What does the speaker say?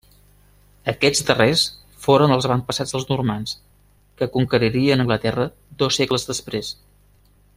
Aquests darrers foren els avantpassats dels normands, que conqueririen Anglaterra dos segles després.